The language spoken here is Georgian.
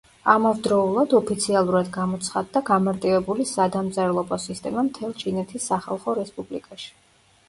ამავდროულად ოფიციალურად გამოცხადდა გამარტივებული სადამწერლობო სისტემა მთელ ჩინეთის სახალხო რესპუბლიკაში.